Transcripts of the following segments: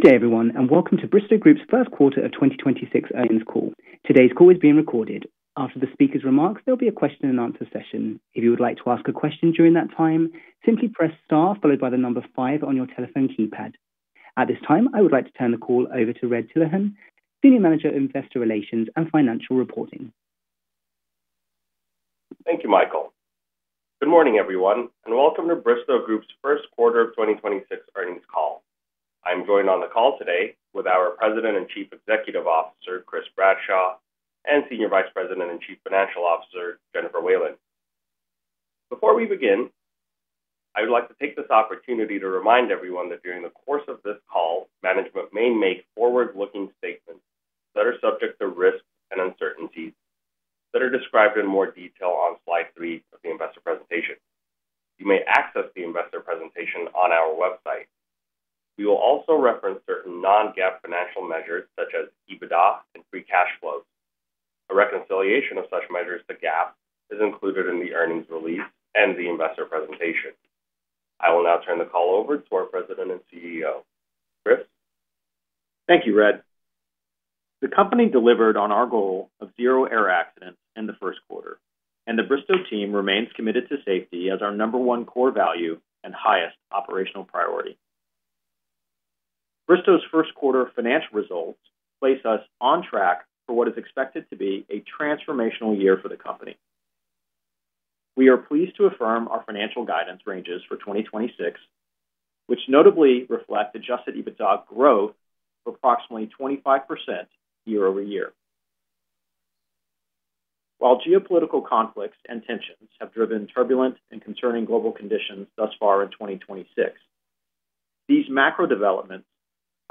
Good day, everyone, and welcome to Bristow Group's first quarter of 2026 earnings call. Today's call is being recorded. After the speaker's remarks, there'll be a question and answer session. If you would like to ask a question during that time, simply press star followed by the number five on your telephone keypad. At this time, I would like to turn the call over to Red Tillehan, Senior Manager, Investor Relations and Financial Reporting. Thank you, Michael. Good morning, everyone, welcome to Bristow Group's first quarter of 2026 earnings call. I'm joined on the call today with our President and Chief Executive Officer, Chris Bradshaw, and Senior Vice President and Chief Financial Officer, Jennifer Whalen. Before we begin, I would like to take this opportunity to remind everyone that during the course of this call, management may make forward-looking statements that are subject to risks and uncertainties that are described in more detail on slide 3 of the investor presentation. You may access the investor presentation on our website. We will also reference certain non-GAAP financial measures, such as EBITDA and free cash flow. A reconciliation of such measures to GAAP is included in the earnings release and the investor presentation. I will now turn the call over to our President and CEO, Chris. Thank you, Red. The company delivered on our goal of zero air accidents in the first quarter, and the Bristow team remains committed to safety as our number one core value and highest operational priority. Bristow's first quarter financial results place us on track for what is expected to be a transformational year for the company. We are pleased to affirm our financial guidance ranges for 2026, which notably reflect Adjusted EBITDA growth of approximately 25% year-over-year. While geopolitical conflicts and tensions have driven turbulent and concerning global conditions thus far in 2026, these macro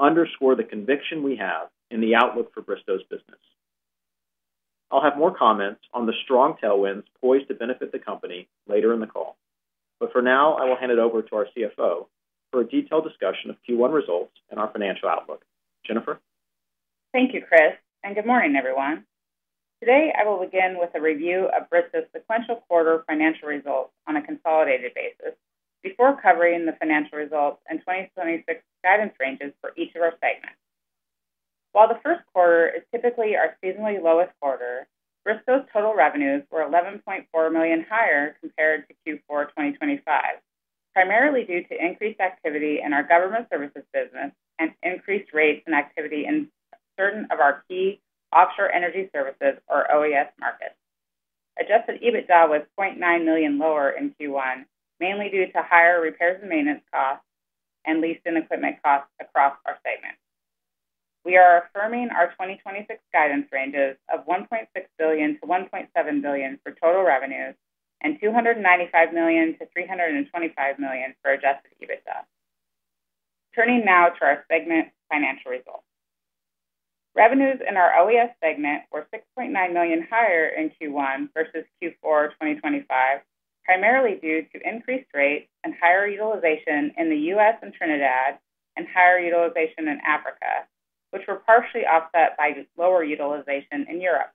developments underscore the conviction we have in the outlook for Bristow's business. I'll have more comments on the strong tailwinds poised to benefit the company later in the call. For now, I will hand it over to our CFO for a detailed discussion of Q1 results and our financial outlook. Jennifer. Thank you, Chris. Good morning, everyone. Today, I will begin with a review of Bristow's sequential quarter financial results on a consolidated basis before covering the financial results and 2026 guidance ranges for each of our segments. While the first quarter is typically our seasonally lowest quarter, Bristow's total revenues were $11.4 million higher compared to Q4 2025, primarily due to increased activity in our government services business and increased rates and activity in certain of our key offshore energy services or OES markets. Adjusted EBITDA was $0.9 million lower in Q1, mainly due to higher repairs and maintenance costs and leased-in equipment costs across our segments. We are affirming our 2026 guidance ranges of $1.6 billion-$1.7 billion for total revenues and $295 million-$325 million for Adjusted EBITDA. Turning now to our segment financial results. Revenues in our OES segment were $6.9 million higher in Q1 versus Q4 2025, primarily due to increased rates and higher utilization in the U.S. and Trinidad and higher utilization in Africa, which were partially offset by lower utilization in Europe.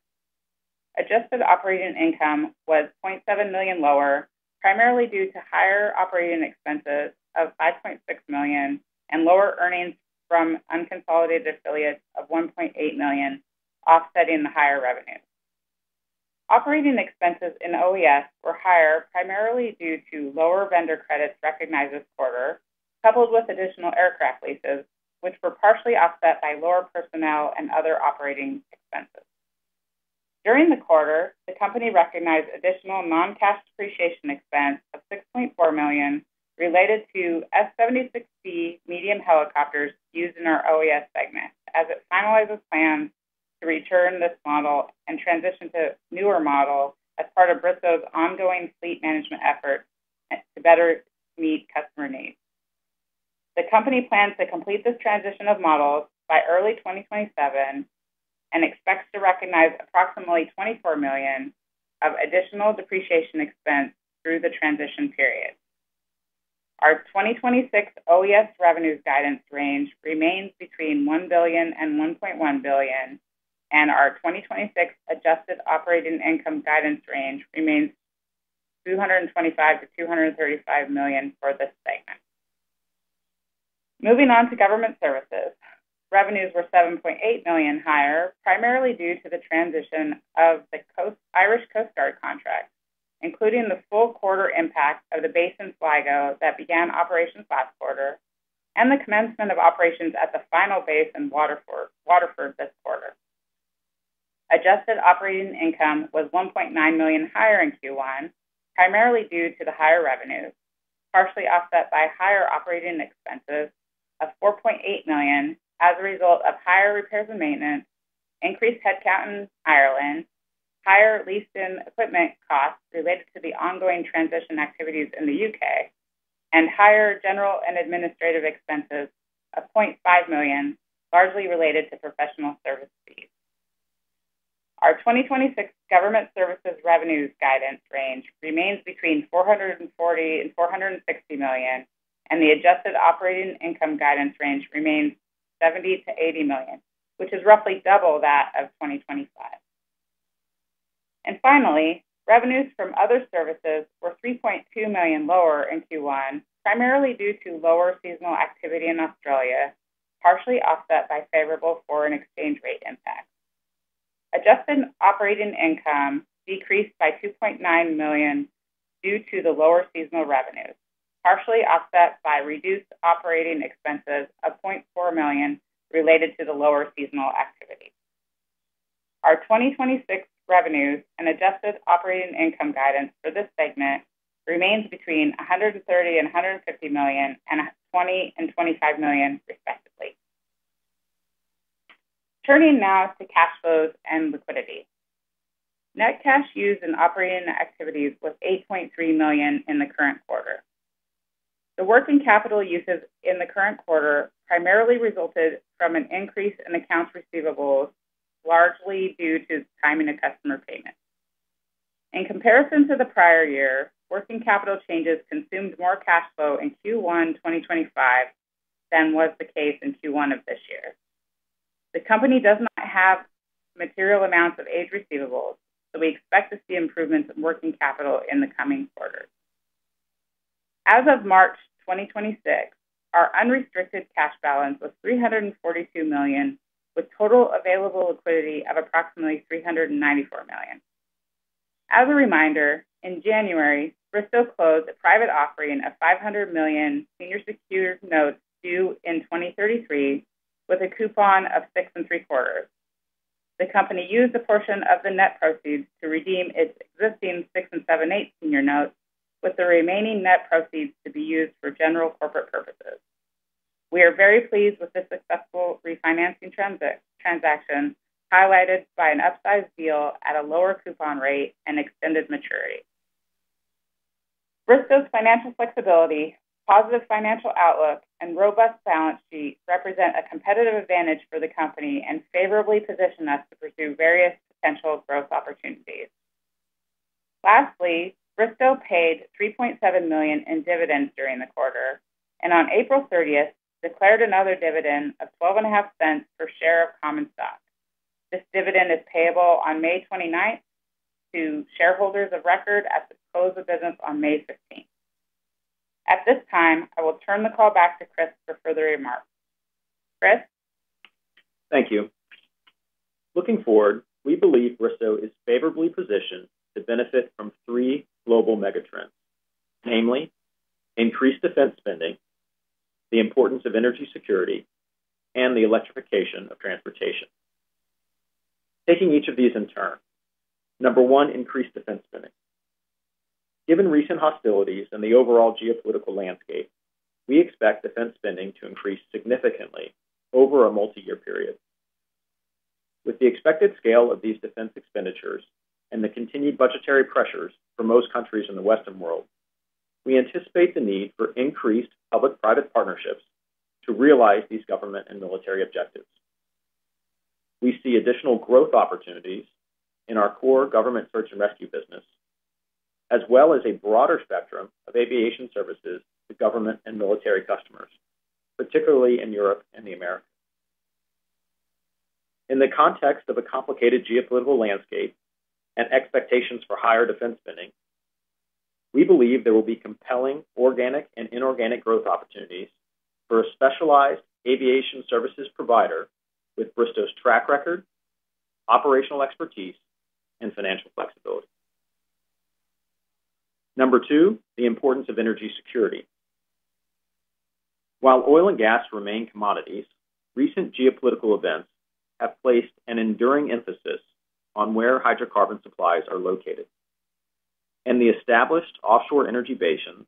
Adjusted operating income was $0.7 million lower, primarily due to higher operating expenses of $5.6 million and lower earnings from unconsolidated affiliates of $1.8 million offsetting the higher revenue. Operating expenses in OES were higher, primarily due to lower vendor credits recognized this quarter, coupled with additional aircraft leases, which were partially offset by lower personnel and other operating expenses. During the quarter, the company recognized additional non-cash depreciation expense of $6.4 million related to S-76B medium helicopters used in our OES segment as it finalizes plans to return this model and transition to newer models as part of Bristow's ongoing fleet management effort to better meet customer needs. The company plans to complete this transition of models by early 2027 and expects to recognize approximately $24 million of additional depreciation expense through the transition period. Our 2026 OES revenues guidance range remains between $1 billion and $1.1 billion, and our 2026 Adjusted operating income guidance range remains $225 million-$235 million for this segment. Moving on to government services. Revenues were $7.8 million higher, primarily due to the transition of the Irish Coast Guard contract, including the full quarter impact of the base in Sligo that began operations last quarter and the commencement of operations at the final base in Waterford this quarter. Adjusted operating income was $1.9 million higher in Q1, primarily due to the higher revenues, partially offset by higher operating expenses of $4.8 million as a result of higher repairs and maintenance, increased headcount in Ireland, higher leased-in equipment costs related to the ongoing transition activities in the U.K., and higher general and administrative expenses of $0.5 million, largely related to professional service fees. Our 2026 government services revenues guidance range remains between $440 million and $460 million, and the Adjusted operating income guidance range remains $70 million-$80 million, which is roughly double that of 2025. Finally, revenues from other services were $3.2 million lower in Q1, primarily due to lower seasonal activity in Australia, partially offset by favorable foreign exchange rate impacts. Adjusted operating income decreased by $2.9 million due to the lower seasonal revenues, partially offset by reduced OpEx of $0.4 million related to the lower seasonal activity. Our 2026 revenues and Adjusted operating income guidance for this segment remains between $130 million and $150 million and $20 million and $25 million, respectively. Turning now to cash flows and liquidity. Net cash used in operating activities was $8.3 million in the current quarter. The working capital usage in the current quarter primarily resulted from an increase in accounts receivables, largely due to timing of customer payments. In comparison to the prior year, working capital changes consumed more cash flow in Q1 2025 than was the case in Q1 of this year. The company does not have material amounts of aged receivables, we expect to see improvements in working capital in the coming quarters. As of March 2026, our unrestricted cash balance was $342 million, with total available liquidity of approximately $394 million. As a reminder, in January, Bristow closed a private offering of $500 million senior secured notes due in 2033 with a coupon of six and three quarters. The company used a portion of the net proceeds to redeem its existing six and seven-eighth senior notes, with the remaining net proceeds to be used for general corporate purposes. We are very pleased with this successful refinancing transaction, highlighted by an upsized deal at a lower coupon rate and extended maturity. Bristow's financial flexibility, positive financial outlook, and robust balance sheet represent a competitive advantage for the company and favorably position us to pursue various potential growth opportunities. Lastly, Bristow paid $3.7 million in dividends during the quarter, and on April 30th, declared another dividend of $0.125 per share of common stock. This dividend is payable on May 29th to shareholders of record at the close of business on May 15th. At this time, I will turn the call back to Chris for further remarks. Chris. Thank you. Looking forward, we believe Bristow is favorably positioned to benefit from three global megatrends, namely increased defense spending, the importance of energy security, and the electrification of transportation. Taking each of these in turn. Number one, increased defense spending. Given recent hostilities and the overall geopolitical landscape, we expect defense spending to increase significantly over a multi-year period. With the expected scale of these defense expenditures and the continued budgetary pressures for most countries in the Western world, we anticipate the need for increased public-private partnerships to realize these government and military objectives. We see additional growth opportunities in our core government search and rescue business, as well as a broader spectrum of aviation services to government and military customers, particularly in Europe and the Americas. In the context of a complicated geopolitical landscape and expectations for higher defense spending, we believe there will be compelling organic and inorganic growth opportunities for a specialized aviation services provider with Bristow's track record, operational expertise, and financial flexibility. Number two, the importance of energy security. While oil and gas remain commodities, recent geopolitical events have placed an enduring emphasis on where hydrocarbon supplies are located. The established offshore energy basins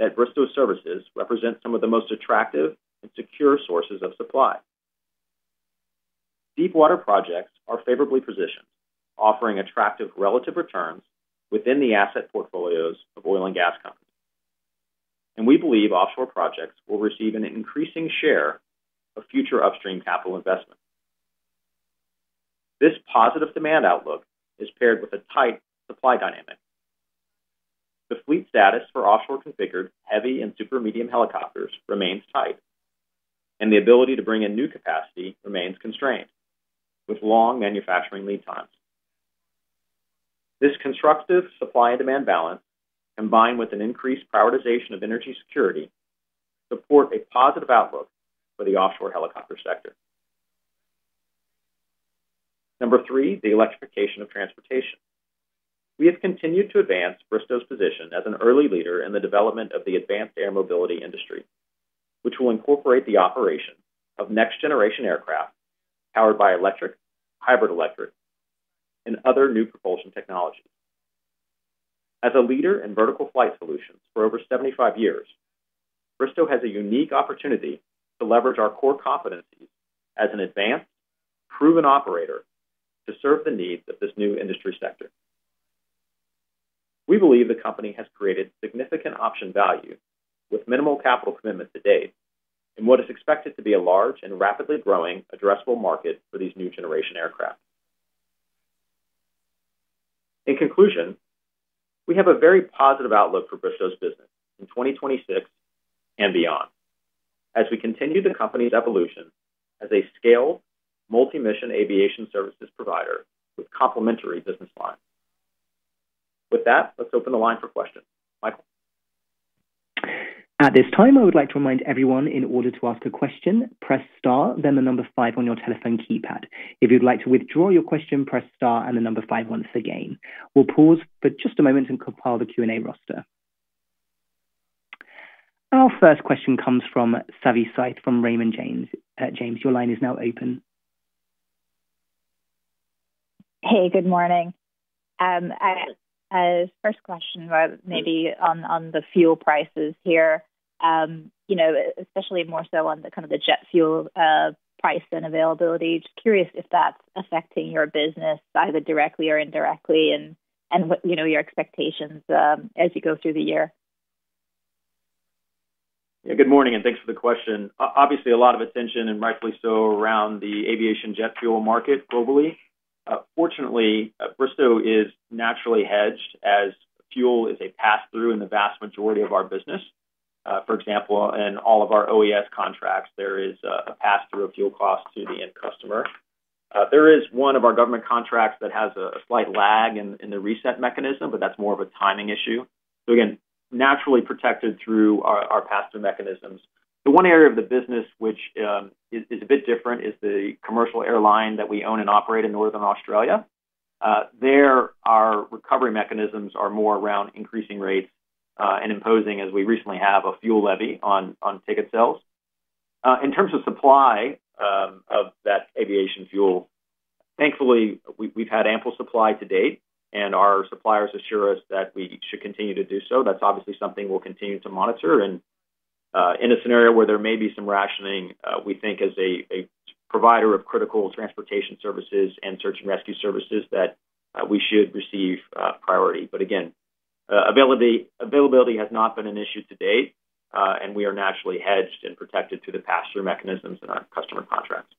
that Bristow services represent some of the most attractive and secure sources of supply. Deepwater projects are favorably positioned, offering attractive relative returns within the asset portfolios of oil and gas companies. We believe offshore projects will receive an increasing share of future upstream capital investment. This positive demand outlook is paired with a tight supply dynamic. The fleet status for offshore-configured heavy and super medium helicopters remains tight, and the ability to bring in new capacity remains constrained, with long manufacturing lead times. This constructive supply and demand balance, combined with an increased prioritization of energy security, support a positive outlook for the offshore helicopter sector. Number three, the electrification of transportation. We have continued to advance Bristow's position as an early leader in the development of the Advanced Air Mobility industry, which will incorporate the operation of next-generation aircraft powered by electric, hybrid electric, and other new propulsion technologies. As a leader in vertical flight solutions for over 75 years, Bristow has a unique opportunity to leverage our core competencies as an advanced, proven operator to serve the needs of this new industry sector. We believe the company has created significant option value with minimal capital commitment to date in what is expected to be a large and rapidly growing addressable market for these new-generation aircraft. In conclusion, we have a very positive outlook for Bristow's business in 2026 and beyond. We continue the company's evolution as a scaled multi-mission aviation services provider with complementary business lines. With that, let's open the line for questions. Michael? At this time, I would like to remind everyone in order to ask a question, press star then five on your telephone keypad. If you'd like to withdraw your question, press star and 5 once again. We'll pause for just a moment and compile the Q&A roster. Our first question comes from Savi Syth from Raymond James. James, your line is now open. Hey, good morning. First question about maybe on the fuel prices here, you know, especially more so on the kind of the jet fuel price and availability. Just curious if that's affecting your business either directly or indirectly and what, you know, your expectations as you go through the year? Good morning, thanks for the question. Obviously, a lot of attention, and rightfully so, around the aviation jet fuel market globally. Fortunately, Bristow is naturally hedged as fuel is a pass-through in the vast majority of our business. For example, in all of our OES contracts, there is a pass-through of fuel costs to the end customer. There is one of our government contracts that has a slight lag in the reset mechanism, that's more of a timing issue. Again, naturally protected through our pass-through mechanisms. The one area of the business which is a bit different is the commercial airline that we own and operate in Northern Australia. There, our recovery mechanisms are more around increasing rates, and imposing, as we recently have, a fuel levy on ticket sales. In terms of supply of that aviation fuel, thankfully, we've had ample supply to date, and our suppliers assure us that we should continue to do so. That's obviously something we'll continue to monitor. In a scenario where there may be some rationing, we think as a provider of critical transportation services and search and rescue services that we should receive priority. Again, availability has not been an issue to date, and we are naturally hedged and protected through the pass-through mechanisms in our customer contracts.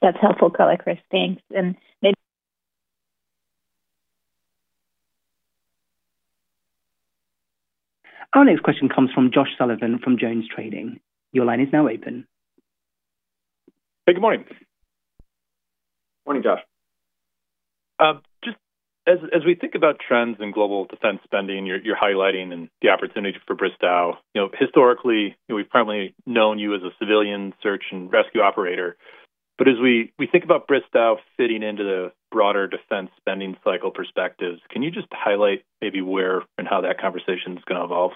That's helpful color, Chris. Thanks. Our next question comes from Josh Sullivan from JonesTrading. Your line is now open. Hey, good morning. Morning, Josh. Just as we think about trends in global defense spending, you're highlighting and the opportunity for Bristow. You know, historically, you know, we've primarily known you as a civilian search and rescue operator. As we think about Bristow fitting into the broader defense spending cycle perspectives, can you just highlight maybe where and how that conversation's gonna evolve?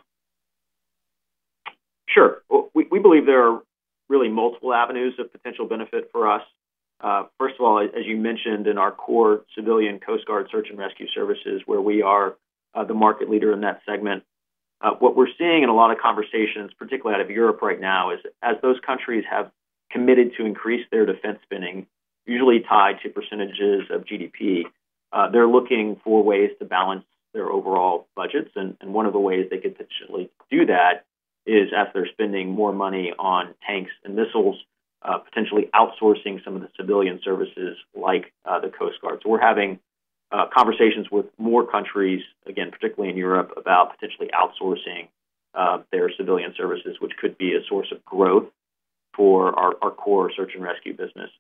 Sure. We believe there are really multiple avenues of potential benefit for us. First of all, as you mentioned, in our core civilian Coast Guard search and rescue services where we are, the market leader in that segment. What we're seeing in a lot of conversations, particularly out of Europe right now, is as those countries have committed to increase their defense spending, usually tied to percentages of GDP, they're looking for ways to balance their overall budgets. One of the ways they could potentially do that is as they're spending more money on tanks and missiles, potentially outsourcing some of the civilian services like, the Coast Guard. We're having conversations with more countries, again, particularly in Europe, about potentially outsourcing their civilian services, which could be a source of growth for our core search and rescue business.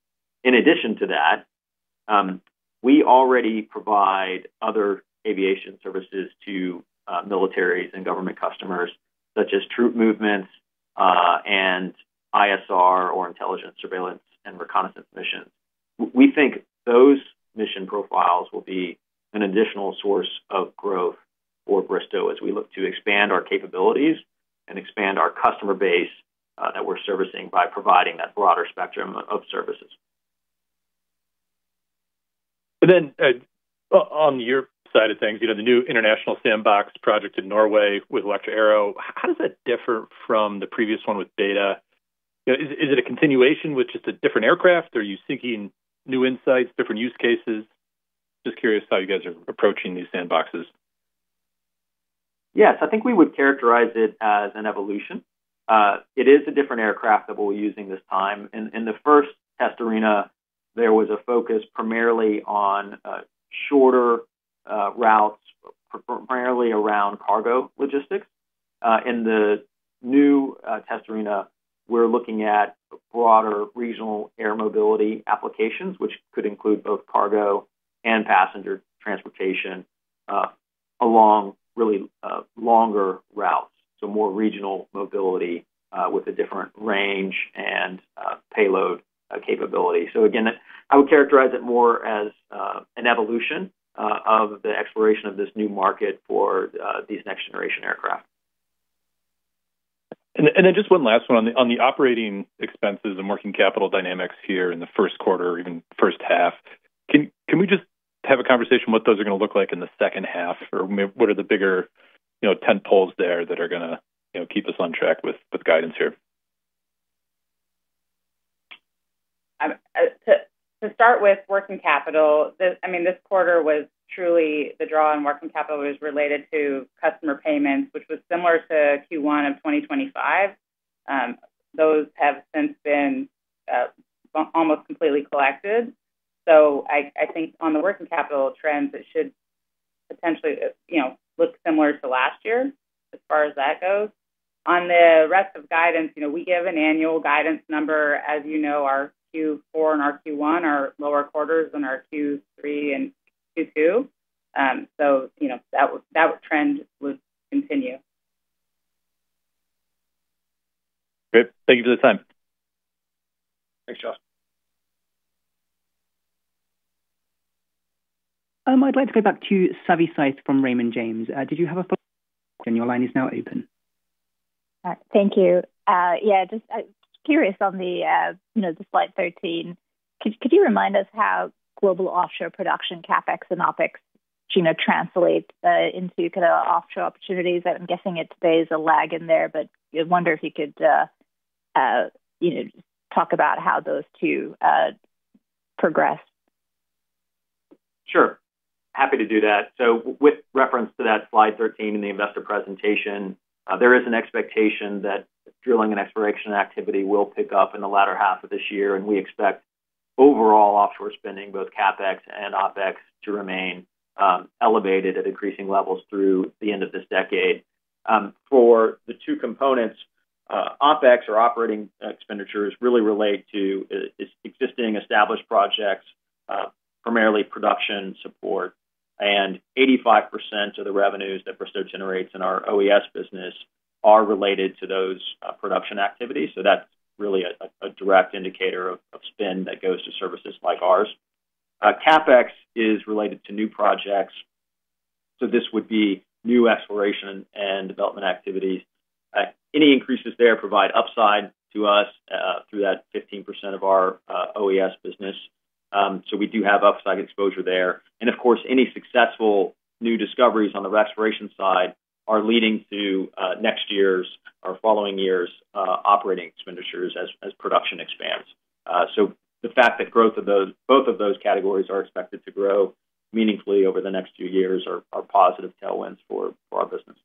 In addition to that, we already provide other aviation services to militaries and government customers such as troop movements, and ISR or intelligence surveillance and reconnaissance missions. We think those mission profiles will be an additional source of growth for Bristow as we look to expand our capabilities and expand our customer base that we're servicing by providing that broader spectrum of services. On your side of things, you know, the new international sandbox project in Norway with Electra.aero, how does that differ from the previous one with BETA? You know, is it a continuation with just a different aircraft? Are you seeking new insights, different use cases? Just curious how you guys are approaching these sandboxes. Yes. I think we would characterize it as an evolution. It is a different aircraft that we're using this time. In the first test arena, there was a focus primarily on shorter routes, primarily around cargo logistics. In the new test arena, we're looking at broader regional air mobility applications, which could include both cargo and passenger transportation along really longer routes. More regional mobility with a different range and payload capability. Again, I would characterize it more as an evolution of the exploration of this new market for these next generation aircraft. Then just one last one. On the operating expenses and working capital dynamics here in the first quarter or even first half, can we just have a conversation what those are gonna look like in the second half? Or what are the bigger, you know, tent poles there that are gonna, you know, keep us on track with guidance here? To start with working capital, I mean, this quarter was truly the draw on working capital was related to customer payments, which was similar to Q1 of 2025. Those have since been almost completely collected. I think on the working capital trends, potentially, you know, look similar to last year as far as that goes. On the rest of guidance, you know, we give an annual guidance number. As you know, our Q4 and our Q1 are lower quarters than our Q3 and Q2. You know, that trend would continue. Great. Thank you for the time. Thanks, Josh. I'd like to go back to Savi Syth from Raymond James. Did you have a follow-up? Your line is now open. Thank you. Yeah, just curious on the, you know, the slide 13. Could you remind us how global offshore production CapEx and OpEx, you know, translate into kind of offshore opportunities? I'm guessing it stays a lag in there, but I wonder if you could, you know, talk about how those two progress. Sure. Happy to do that. With reference to that slide 13 in the investor presentation, there is an expectation that drilling and exploration activity will pick up in the latter half of this year, and we expect overall offshore spending, both CapEx and OpEx to remain elevated at increasing levels through the end of this decade. For the two components, OpEx or operating expenditures really relate to existing established projects, primarily production support, and 85% of the revenues that Bristow generates in our OES business are related to those production activities. That's really a direct indicator of spend that goes to services like ours. CapEx is related to new projects, so this would be new exploration and development activities. Any increases there provide upside to us through that 15% of our OES business. We do have upside exposure there. Of course, any successful new discoveries on the exploration side are leading to next year's or following year's operating expenditures as production expands. The fact that growth of both of those categories are expected to grow meaningfully over the next few years are positive tailwinds for our business.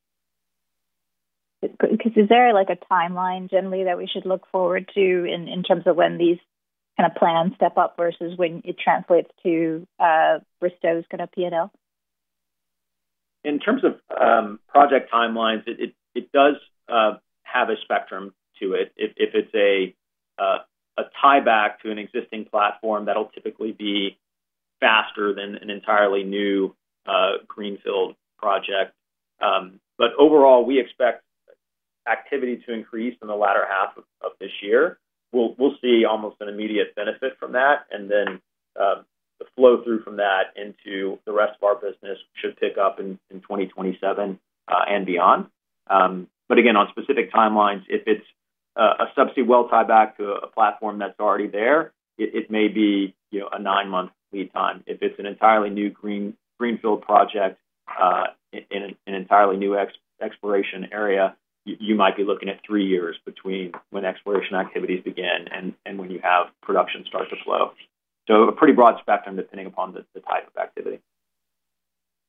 Good. Is there, like, a timeline generally that we should look forward to in terms of when these kinda plans step up versus when it translates to Bristow's kinda P&L? In terms of project timelines, it does have a spectrum to it. If it's a tieback to an existing platform, that'll typically be faster than an entirely new greenfield project. Overall, we expect activity to increase in the latter half of this year. We'll see almost an immediate benefit from that, the flow-through from that into the rest of our business should pick up in 2027 and beyond. Again, on specific timelines, if it's a subsea well tieback to a platform that's already there, it may be, you know, a nine-month lead time. If it's an entirely new greenfield project, in an entirely new exploration area, you might be looking at three years between when exploration activities begin and when you have production start to flow. A pretty broad spectrum depending upon the type of activity.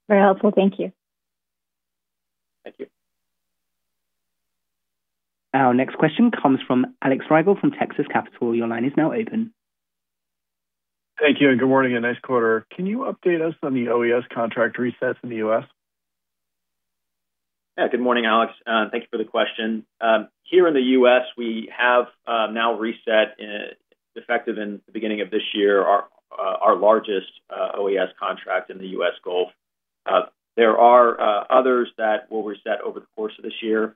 Very helpful. Thank you. Thank you. Our next question comes from Alex Rygiel from Texas Capital. Your line is now open. Thank you, good morning, and nice quarter. Can you update us on the OES contract resets in the U.S.? Good morning, Alex. Thank you for the question. Here in the U.S., we have now reset, effective in the beginning of this year, our largest OES contract in the U.S. Gulf. There are others that will reset over the course of this year.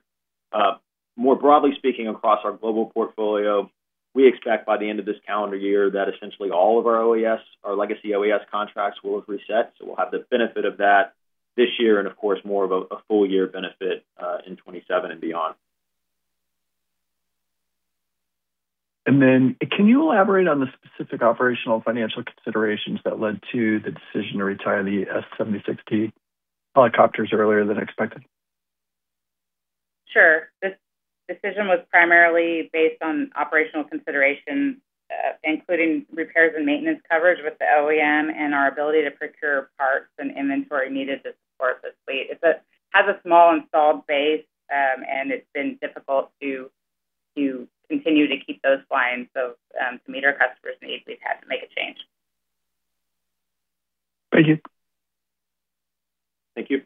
More broadly speaking, across our global portfolio, we expect by the end of this calendar year that essentially all of our OES, our legacy OES contracts will have reset. We'll have the benefit of that this year and, of course, more of a full year benefit in 2027 and beyond. Can you elaborate on the specific operational financial considerations that led to the decision to retire the S-76 helicopters earlier than expected? Sure. This decision was primarily based on operational considerations, including repairs and maintenance coverage with the OEM and our ability to procure parts and inventory needed to support this fleet. It has a small installed base, and it's been difficult to continue to keep those flying to meet our customers' needs, we've had to make a change. Thank you. Thank you.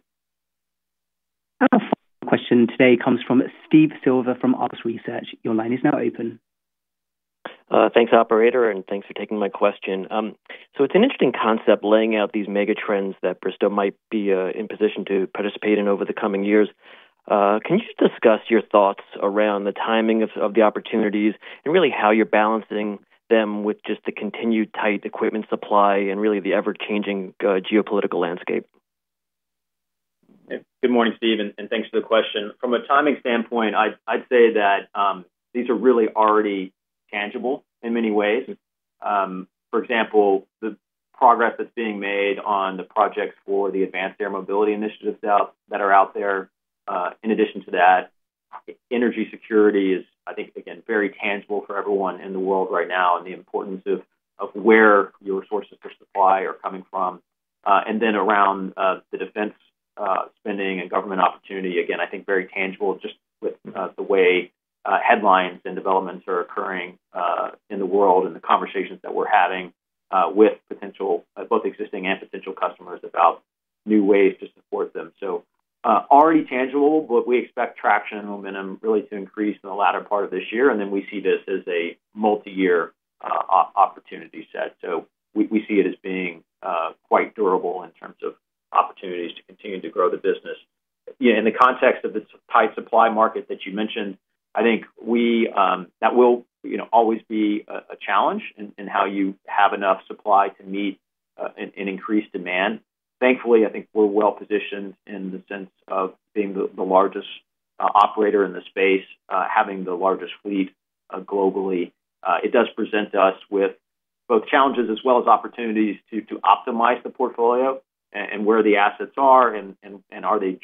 Our final question today comes from Steve Silver from Argus Research. Your line is now open. Thanks, operator, thanks for taking my question. It's an interesting concept laying out these mega trends that Bristow might be in position to participate in over the coming years. Can you just discuss your thoughts around the timing of the opportunities and really how you're balancing them with just the continued tight equipment supply and really the ever-changing geopolitical landscape? Good morning, Steve, and thanks for the question. From a timing standpoint, I'd say that these are really already tangible in many ways. For example, the progress that's being made on the projects for the Advanced Air Mobility Initiative that are out there. In addition to that, energy security is, I think, again, very tangible for everyone in the world right now and the importance of where your sources for supply are coming from. Then around the defense spending and government opportunity, again, I think very tangible just with the way headlines and developments are occurring in the world and the conversations that we're having with potential both existing and potential customers about new ways to support them. Already tangible, but we expect traction and momentum really to increase in the latter part of this year. We see this as a multi-year opportunity set. We see it as being quite durable in terms of opportunities to continue to grow the business. In the context of the tight supply market that you mentioned, I think we that will, you know, always be a challenge in how you have enough supply to meet an increased demand. Thankfully, I think we're well-positioned in the sense of being the largest operator in the space, having the largest fleet globally. It does present us with both challenges as well as opportunities to optimize the portfolio and where the assets are and are they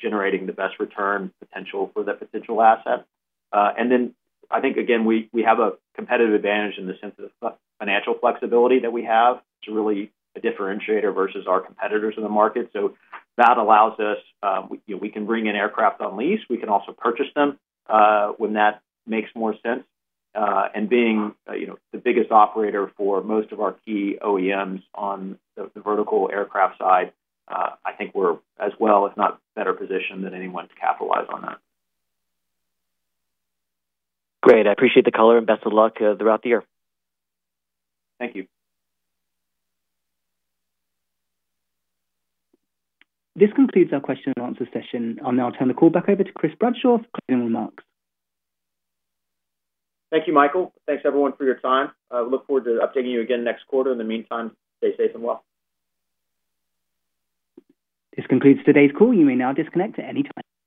generating the best return potential for that potential asset. I think again, we have a competitive advantage in the sense of financial flexibility that we have. It's really a differentiator versus our competitors in the market. That allows us, you know, we can bring in aircraft on lease. We can also purchase them, when that makes more sense. Being, you know, the biggest operator for most of our key OEMs on the vertical aircraft side, I think we're as well, if not better-positioned than anyone to capitalize on that. Great. I appreciate the color, and best of luck throughout the year. Thank you. This concludes our question and answer session. I'll now turn the call back over to Chris Bradshaw for closing remarks. Thank you, Michael. Thanks everyone for your time. Look forward to updating you again next quarter. In the meantime, stay safe and well. This concludes today's call. You may now disconnect at any time.